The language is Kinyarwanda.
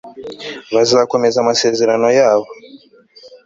bazakomeza amasezerano yabo